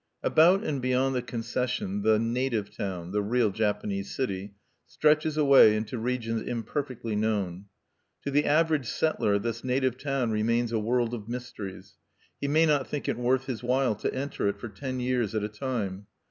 About and beyond the concession, the "native town" the real Japanese city stretches away into regions imperfectly known. To the average settler this native town remains a world of mysteries; he may not think it worth his while to enter it for ten years at a time.